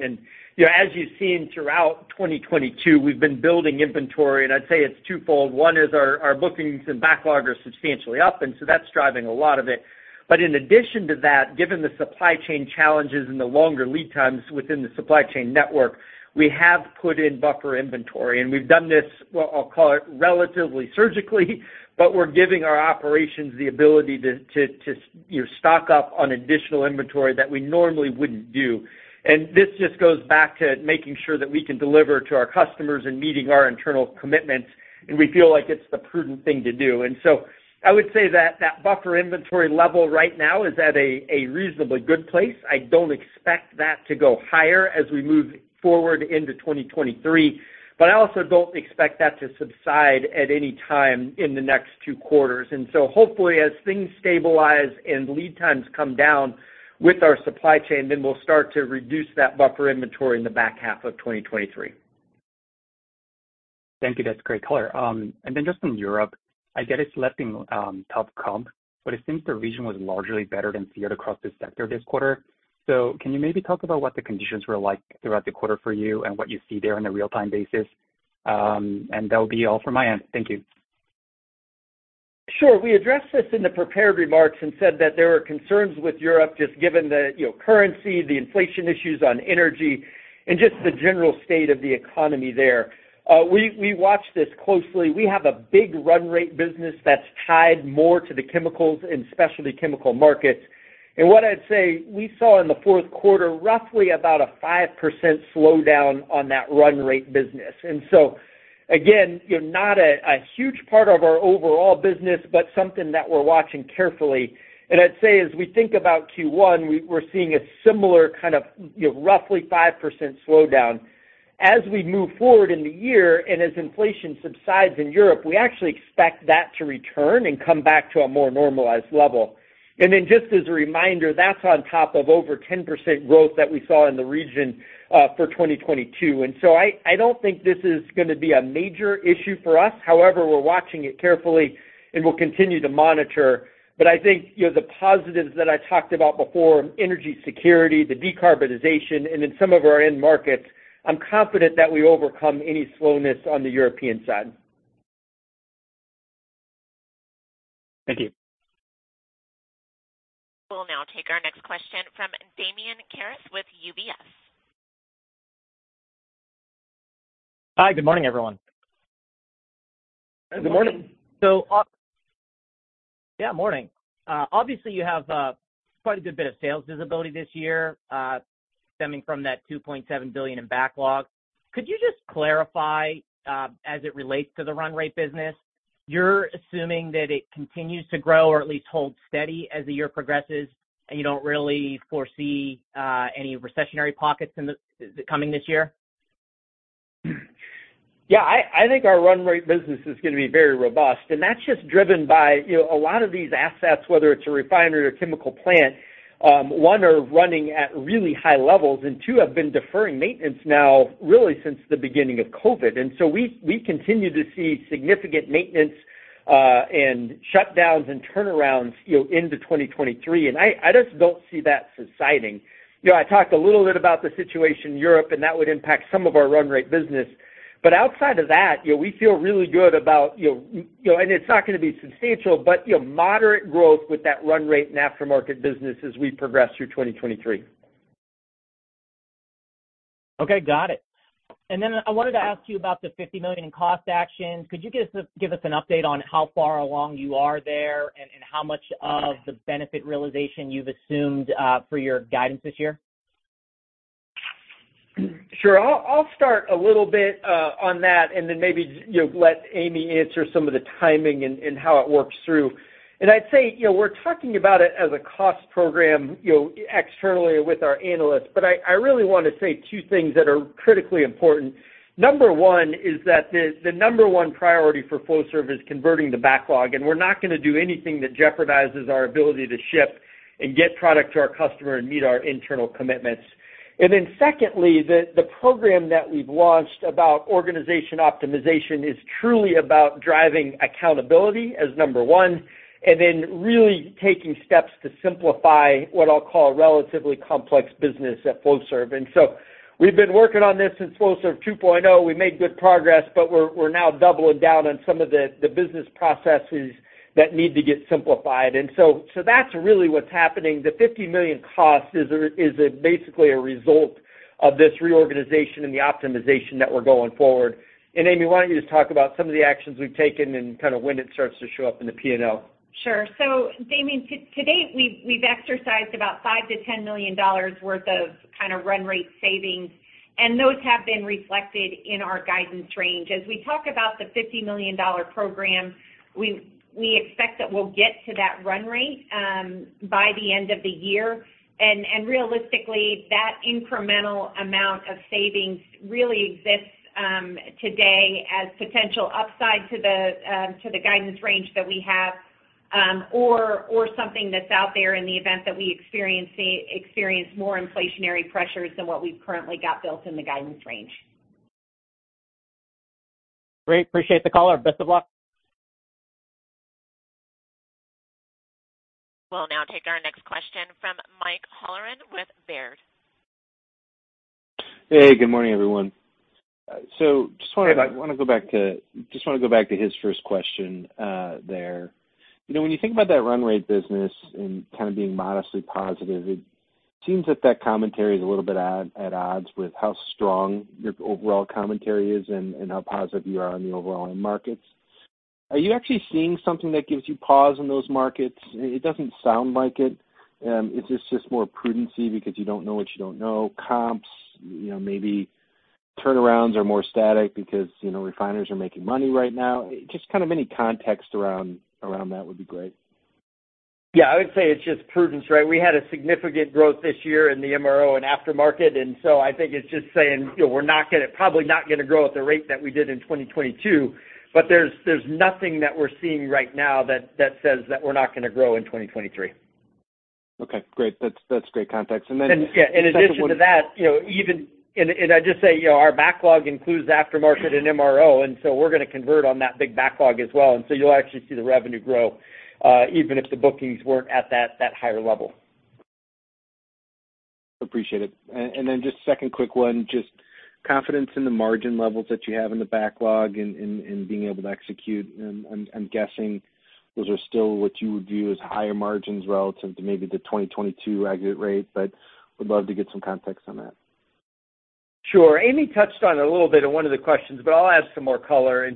You know, as you've seen throughout 2022, we've been building inventory, and I'd say it's twofold. One is our bookings and backlog are substantially up, and so that's driving a lot of it. In addition to that, given the supply chain challenges and the longer lead times within the supply chain network, we have put in buffer inventory, and we've done this, well, I'll call it relatively surgically, but we're giving our operations the ability to, you know, stock up on additional inventory that we normally wouldn't do. This just goes back to making sure that we can deliver to our customers and meeting our internal commitments, and we feel like it's the prudent thing to do. I would say that that buffer inventory level right now is at a reasonably good place. I don't expect that to go higher as we move forward into 2023, but I also don't expect that to subside at any time in the next two quarters. Hopefully, as things stabilize and lead times come down with our supply chain, then we'll start to reduce that buffer inventory in the back half of 2023. Thank you. That's great color. Just on Europe, I get it's lapping, tough comp, but it seems the region was largely better than feared across the sector this quarter. Can you maybe talk about what the conditions were like throughout the quarter for you and what you see there on a real-time basis? That'll be all from my end. Thank you. Sure. We addressed this in the prepared remarks and said that there are concerns with Europe just given the, you know, currency, the inflation issues on energy, and just the general state of the economy there. We watch this closely. We have a big run rate business that's tied more to the chemicals and specialty chemical markets. What I'd say, we saw in the fourth quarter roughly about a 5% slowdown on that run rate business. Again, you know, not a huge part of our overall business, but something that we're watching carefully. I'd say as we think about Q1, we're seeing a similar kind of, you know, roughly 5% slowdown. As we move forward in the year and as inflation subsides in Europe, we actually expect that to return and come back to a more normalized level. Just as a reminder, that's on top of over 10% growth that we saw in the region, for 2022. I don't think this is gonna be a major issue for us. However, we're watching it carefully, and we'll continue to monitor. I think, you know, the positives that I talked about before, energy security, the decarbonization, and in some of our end markets, I'm confident that we overcome any slowness on the European side. Thank you. We'll now take our next question from Damian Karas with UBS. Hi, good morning, everyone. Good morning. Yeah, morning. Obviously, you have quite a good bit of sales visibility this year, stemming from that $2.7 billion in backlog. Could you just clarify, as it relates to the run rate business. You're assuming that it continues to grow or at least hold steady as the year progresses, and you don't really foresee any recessionary pockets coming this year? Yeah. I think our run rate business is going to be very robust, and that's just driven by, you know, a lot of these assets, whether it's a refinery or chemical plant, one, are running at really high levels, and two, have been deferring maintenance now really since the beginning of COVID. We continue to see significant maintenance and shutdowns and turnarounds, you know, into 2023. I just don't see that subsiding. You know, I talked a little bit about the situation in Europe, that would impact some of our run rate business. Outside of that, you know, we feel really good about, you know, and it's not going to be substantial, but, you know, moderate growth with that run rate in aftermarket business as we progress through 2023. Okay. Got it. I wanted to ask you about the $50 million in cost actions. Could you give us an update on how far along you are there and how much of the benefit realization you've assumed for your guidance this year? Sure. I'll start a little bit on that and then maybe, you know, let Amy answer some of the timing and how it works through. I'd say, you know, we're talking about it as a cost program, you know, externally with our analysts, but I really wanna say two things that are critically important. Number one is that the number one priority for Flowserve is converting the backlog, and we're not gonna do anything that jeopardizes our ability to ship and get product to our customer and meet our internal commitments. Secondly, the program that we've launched about organization optimization is truly about driving accountability as number one, and then really taking steps to simplify what I'll call a relatively complex business at Flowserve. So we've been working on this since Flowserve 2.0. We made good progress, we're now doubling down on some of the business processes that need to get simplified. That's really what's happening. The $50 million cost is a basically a result of this reorganization and the optimization that we're going forward. Amy, why don't you just talk about some of the actions we've taken and kind of when it starts to show up in the P&L? Sure. Damian, to date, we've exercised about $5 million-$10 million worth of kinda run rate savings, and those have been reflected in our guidance range. As we talk about the $50 million program, we expect that we'll get to that run rate by the end of the year. Realistically, that incremental amount of savings really exists today as potential upside to the guidance range that we have, or something that's out there in the event that we experience more inflationary pressures than what we've currently got built in the guidance range. Great. Appreciate the color. Best of luck. We'll now take our next question from Mike Halloran with Baird. Hey, good morning, everyone. Hi, Mike. Just wanna go back to his first question there. You know, when you think about that run rate business and kind of being modestly positive, it seems that that commentary is a little bit at odds with how strong your overall commentary is and how positive you are on the overall end markets. Are you actually seeing something that gives you pause in those markets? It doesn't sound like it. Is this just more prudency because you don't know what you don't know, comps, you know, maybe turnarounds are more static because, you know, refineries are making money right now? Just kind of any context around that would be great. Yeah. I would say it's just prudence. Right? We had a significant growth this year in the MRO and aftermarket. I think it's just saying, you know, probably not gonna grow at the rate that we did in 2022. There's nothing that we're seeing right now that says that we're not gonna grow in 2023. Okay, great. That's great context. Yeah, in addition to that, you know, even. I'd just say, you know, our backlog includes aftermarket and MRO, and so we're gonna convert on that big backlog as well. So you'll actually see the revenue grow, even if the bookings weren't at that higher level. Appreciate it. Then just second quick one, just confidence in the margin levels that you have in the backlog and being able to execute? I'm guessing those are still what you would view as higher margins relative to maybe the 2022 aggregate rate, would love to get some context on that? Sure. Amy touched on it a little bit in one of the questions, but I'll add some more color.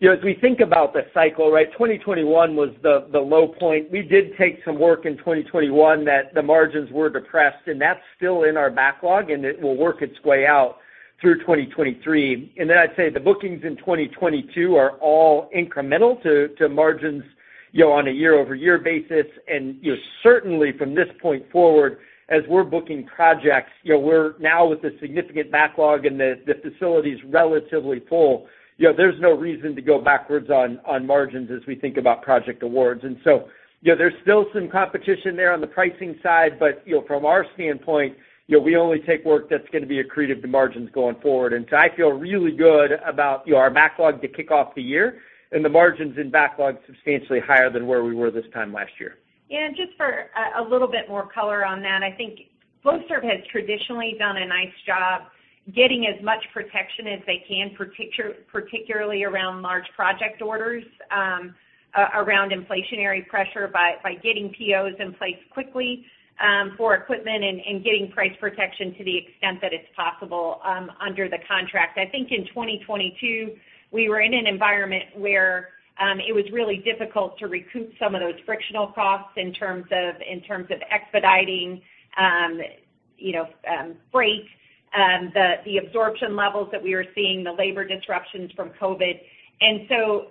You know, as we think about the cycle, right, 2021 was the low point. We did take some work in 2021 that the margins were depressed, and that's still in our backlog, and it will work its way out through 2023. I'd say the bookings in 2022 are all incremental to margins. You know, on a year-over-year basis. You know, certainly from this point forward, as we're booking projects, you know, we're now with a significant backlog and the facility is relatively full, you know, there's no reason to go backwards on margins as we think about project awards. You know, there's still some competition there on the pricing side, but, you know, from our standpoint, you know, we only take work that's gonna be accretive to margins going forward. I feel really good about our backlog to kick off the year and the margins in backlog substantially higher than where we were this time last year. Yeah. Just for a little more color on that, I think Flowserve has traditionally done a nice job getting as much protection as they can, particularly around large project orders, around inflationary pressure by getting POs in place quickly for equipment and getting price protection to the extent that it's possible under the contract. I think in 2022, we were in an environment where it was really difficult to recoup some of those frictional costs in terms of expediting, you know, freight, the absorption levels that we were seeing, the labor disruptions from COVID.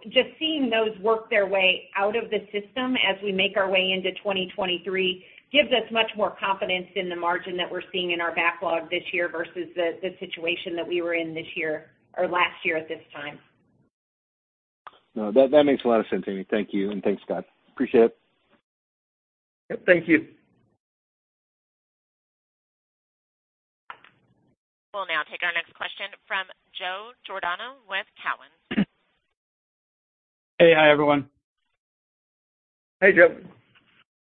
Just seeing those work their way out of the system as we make our way into 2023, gives us much more confidence in the margin that we're seeing in our backlog this year versus the situation that we were in this year or last year at this time. No, that makes a lot of sense, Amy. Thank you. Thanks, Scott. Appreciate it. Thank you. We'll now take our next question from Joseph Giordano with Cowen. Hey. Hi, everyone. Hey, Joe.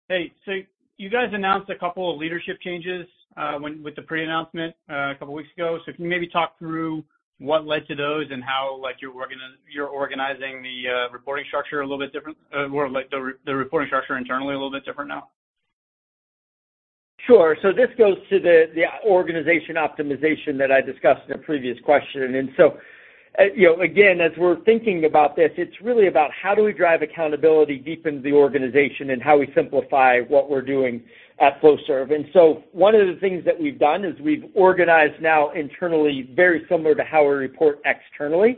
Hey. You guys announced a couple of leadership changes with the pre-announcement a couple of weeks ago. Can you maybe talk through what led to those and how, like, you're organizing the reporting structure a little bit different, more like the reporting structure internally a little bit different now? Sure. This goes to the organization optimization that I discussed in a previous question. You know, again, as we're thinking about this, it's really about how do we drive accountability deep into the organization and how we simplify what we're doing at Flowserve. One of the things that we've done is we've organized now internally very similar to how we report externally.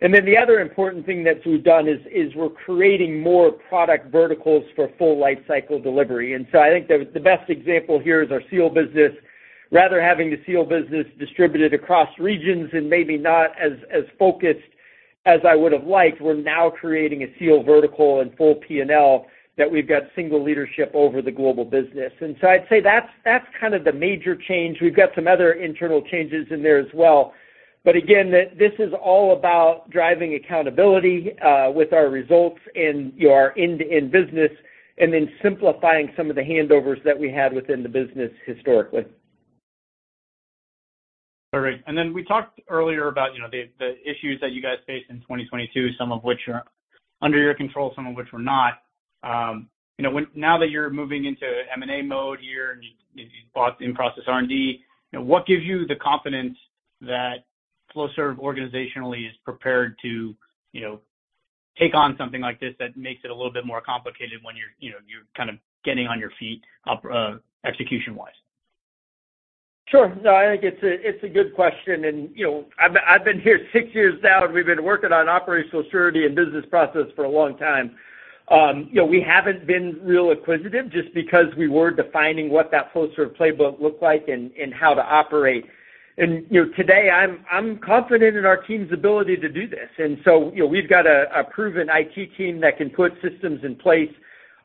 The other important thing that we've done is we're creating more product verticals for full life cycle delivery. I think the best example here is our seal business. Rather having the seal business distributed across regions and maybe not as focused as I would have liked, we're now creating a seal vertical and full P&L that we've got single leadership over the global business. I'd say that's kind of the major change. We've got some other internal changes in there as well. This is all about driving accountability with our results in our end-to-end business, and then simplifying some of the handovers that we had within the business historically. All right. We talked earlier about, you know, the issues that you guys faced in 2022, some of which are under your control, some of which were not. You know, now that you're moving into M&A mode here, and you bought, in-process R&D, you know, what gives you the confidence that Flowserve organizationally is prepared to, you know, take on something like this that makes it a little bit more complicated when you're, you know, you're kind of getting on your feet, execution-wise? Sure. No, I think it's a, it's a good question. You know, I've been here six years now, and we've been working on operational surety and business process for a long time. You know, we haven't been real acquisitive just because we were defining what that Flowserve playbook looked like and how to operate. You know, today, I'm confident in our team's ability to do this. You know, we've got a proven IT team that can put systems in place.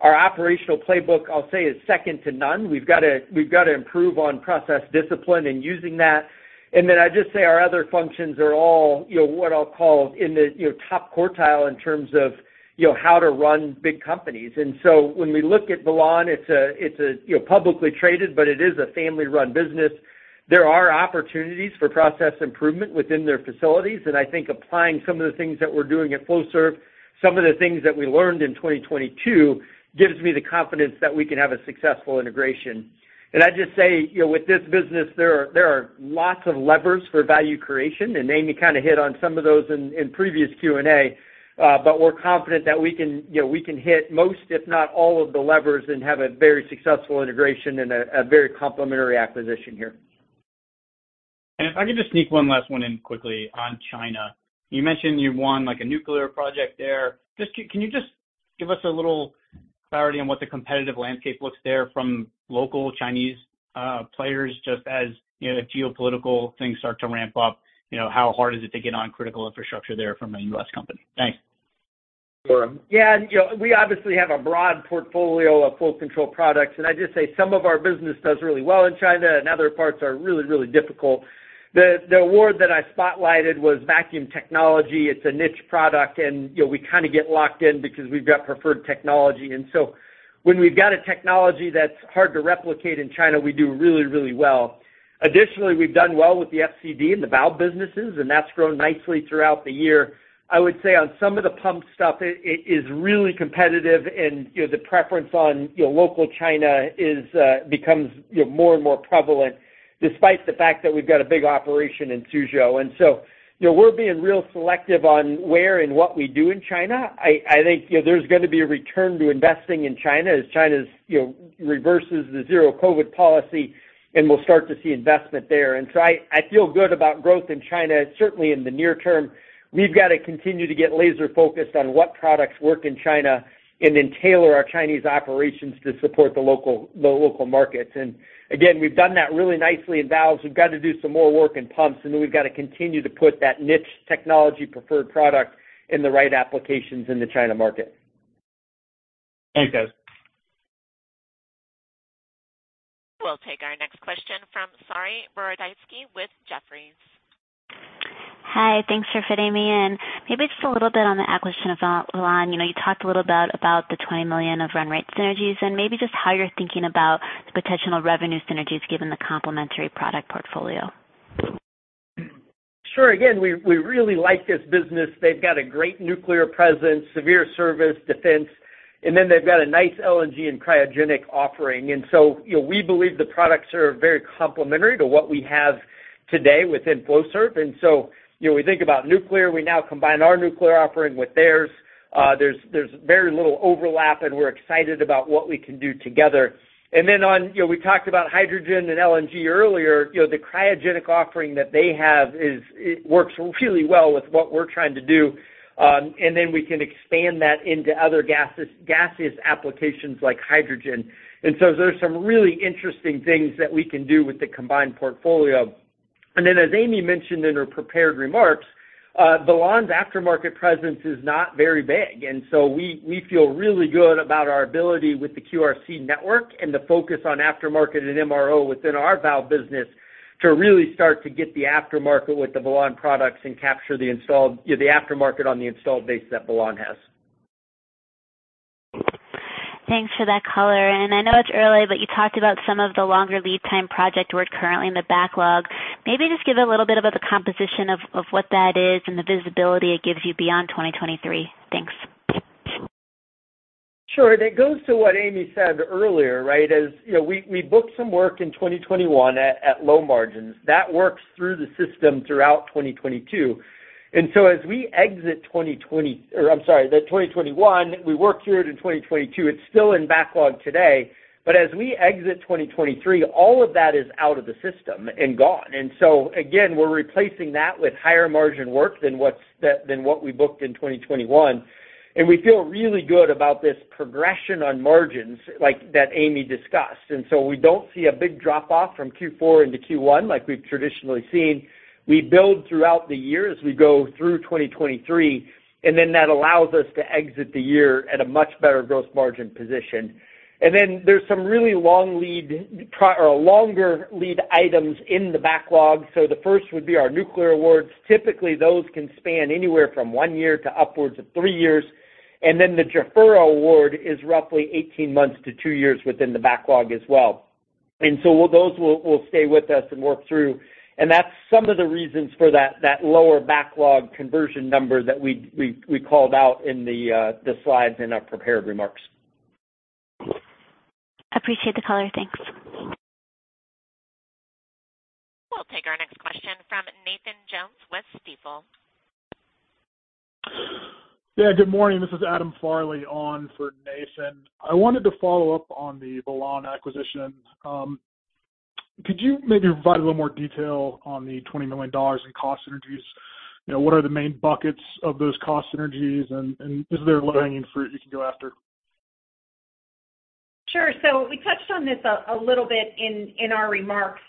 Our operational playbook, I'll say, is second to none. We've got to improve on process discipline and using that. I just say our other functions are all, you know, what I'll call in the top quartile in terms of, you know, how to run big companies. When we look at Velan, it's a, you know, publicly traded, but it is a family-run business. There are opportunities for process improvement within their facilities, and I think applying some of the things that we're doing at Flowserve, some of the things that we learned in 2022, gives me the confidence that we can have a successful integration. I'd just say, you know, with this business, there are lots of levers for value creation, and Amy kind of hit on some of those in previous Q&A. We're confident that we can, you know, we can hit most, if not all, of the levers and have a very successful integration and a very complementary acquisition here. If I could just sneak one last one in quickly on China. You mentioned you won, like, a nuclear project there. Can you just give us a little clarity on what the competitive landscape looks there from local Chinese players, just as, you know, geopolitical things start to ramp up, you know, how hard is it to get on critical infrastructure there from a U.S. company? Thanks. Sure. Yeah. You know, we obviously have a broad portfolio of flow control products. I'd just say some of our business does really well in China, and other parts are really, really difficult. The award that I spotlighted was vacuum technology. It's a niche product and, you know, we kind of get locked in because we've got preferred technology. When we've got a technology that's hard to replicate in China, we do really, really well. Additionally, we've done well with the FCD and the valve businesses, and that's grown nicely throughout the year. I would say on some of the pump stuff, it is really competitive and, you know, the preference on, you know, local China becomes, you know, more and more prevalent despite the fact that we've got a big operation in Suzhou. You know, we're being real selective on where and what we do in China. I think, you know, there's gonna be a return to investing in China as China's, you know, reverses the zero COVID policy, and we'll start to see investment there. I feel good about growth in China, certainly in the near term. We've got to continue to get laser-focused on what products work in China and then tailor our Chinese operations to support the local markets. Again, we've done that really nicely in valves. We've got to do some more work in pumps, and then we've got to continue to put that niche technology preferred product in the right applications in the China market. Thanks, guys. We'll take our next question from Saree Boroditsky with Jefferies. Hi. Thanks for fitting me in. Maybe just a little bit on the acquisition of Velan. You know, you talked a little bit about the $20 million of run rate synergies and maybe just how you're thinking about the potential revenue synergies given the complementary product portfolio. Sure. Again, we really like this business. They've got a great nuclear presence, severe service, defense, and then they've got a nice LNG and cryogenic offering. You know, we believe the products are very complementary to what we have today within Flowserve. You know, we think about nuclear. We now combine our nuclear offering with theirs. There's very little overlap, and we're excited about what we can do together. On, you know, we talked about hydrogen and LNG earlier. You know, the cryogenic offering that they have is it works really well with what we're trying to do. And then we can expand that into other gases, gaseous applications like hydrogen. There's some really interesting things that we can do with the combined portfolio. As Amy mentioned in her prepared remarks, Velan's aftermarket presence is not very big. We feel really good about our ability with the QRC network and the focus on aftermarket and MRO within our valve business to really start to get the aftermarket with the Velan products and capture the installed, you know, the aftermarket on the installed base that Velan has. Thanks for that color. I know it's early, but you talked about some of the longer lead time project work currently in the backlog. Maybe just give a little bit about the composition of what that is and the visibility it gives you beyond 2023. Thanks. Sure. It goes to what Amy said earlier, right? You know, we booked some work in 2021 at low margins. That works through the system throughout 2022. As we exit 2021, we worked through it in 2022. It's still in backlog today. As we exit 2023, all of that is out of the system and gone. Again, we're replacing that with higher margin work than what's than what we booked in 2021. We feel really good about this progression on margins like that Amy discussed. We don't see a big drop off from Q4 into Q1 like we've traditionally seen. We build throughout the year as we go through 2023, that allows us to exit the year at a much better gross margin position. There's some really long lead or longer lead items in the backlog. The first would be our nuclear awards. Typically, those can span anywhere from one year to upwards of three years. The Jafurah award is roughly 18 months to two years within the backlog as well. Those will stay with us and work through. That's some of the reasons for that lower backlog conversion number that we called out in the slides in our prepared remarks. Appreciate the color. Thanks. We'll take our next question from Nathan Jones with Stifel. Yeah. Good morning. This is Adam Farley on for Nathan. I wanted to follow up on the Velan acquisition. Could you maybe provide a little more detail on the $20 million in cost synergies? You know, what are the main buckets of those cost synergies? Is there low-hanging fruit you can go after? Sure. We touched on this a little bit in our remarks.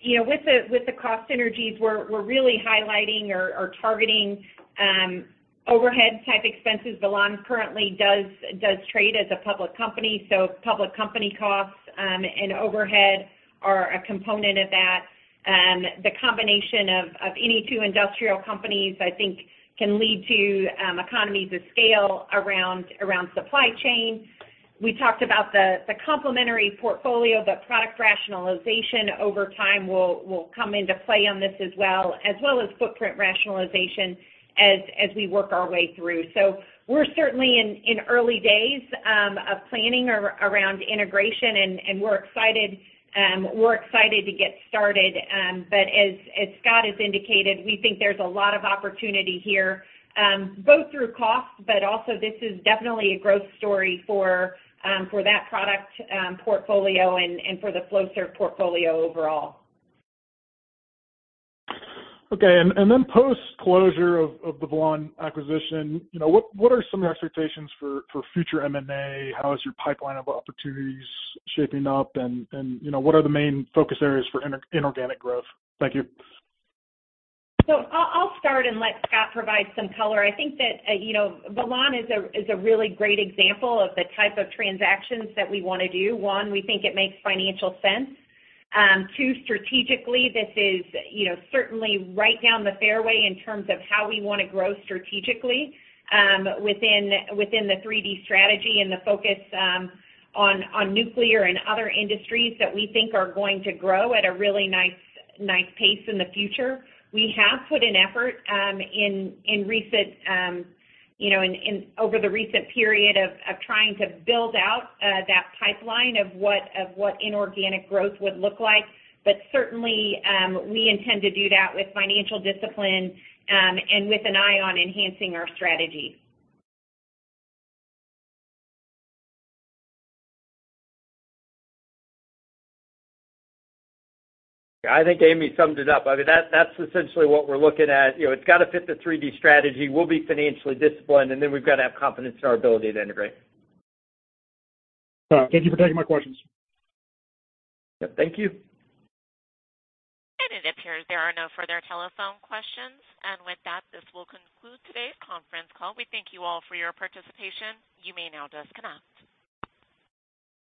You know, with the cost synergies, we're really highlighting or targeting overhead type expenses. Velan currently does trade as a public company. Public company costs and overhead are a component of that. The combination of any two industrial companies, I think, can lead to economies of scale around supply chain. We talked about the complementary portfolio, but product rationalization over time will come into play on this as well, as well as footprint rationalization as we work our way through. We're certainly in early days of planning around integration, and we're excited, we're excited to get started. As Scott has indicated, we think there's a lot of opportunity here, both through cost, but also this is definitely a growth story for that product, portfolio and for the Flowserve portfolio overall. Okay. Then post-closure of the Velan acquisition, you know, what are some of your expectations for future M&A? How is your pipeline of opportunities shaping up? You know, what are the main focus areas for inorganic growth? Thank you. I'll start and let Scott provide some color. I think that, you know, Velan is a really great example of the type of transactions that we wanna do. One, we think it makes financial sense. Two, strategically, this is, you know, certainly right down the fairway in terms of how we wanna grow strategically, within the 3D strategy and the focus on nuclear and other industries that we think are going to grow at a really nice pace in the future. We have put an effort in recent, you know, in over the recent period of trying to build out that pipeline of what inorganic growth would look like. Certainly, we intend to do that with financial discipline and with an eye on enhancing our strategy. I think Amy summed it up. I mean, that's essentially what we're looking at. You know, it's got to fit the 3D strategy. We'll be financially disciplined, and then we've got to have confidence in our ability to integrate. All right. Thank you for taking my questions. Yeah, thank you. It appears there are no further telephone questions. With that, this will conclude today's conference call. We thank you all for your participation. You may now disconnect.